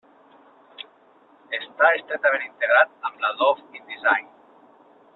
Està estretament integrat amb l'Adobe InDesign.